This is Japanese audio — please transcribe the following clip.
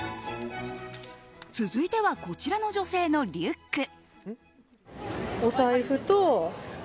続いてはこちらの女性のリュック。